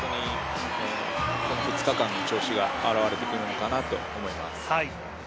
この２日間の調子が表れてくるのかなと思います。